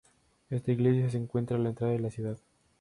Esta iglesia se encuentra a la entrada de la ciudad.